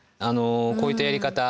こういったやり方